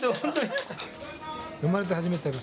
生まれて初めて食べる。